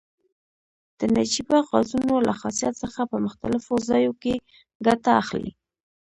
د نجیبه غازونو له خاصیت څخه په مختلفو ځایو کې ګټه اخلي.